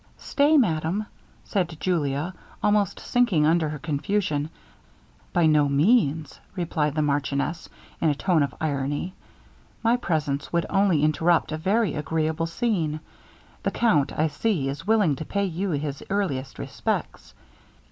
'Stay, madam,' said Julia, almost sinking under her confusion. 'By no means,' replied the marchioness, in a tone of irony, 'my presence would only interrupt a very agreeable scene. The count, I see, is willing to pay you his earliest respects.'